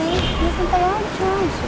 ini sentai aja